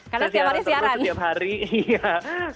karena setiap hari siaran